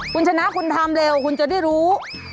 คุณชนะคุณทำเร็วคุณจะได้รู้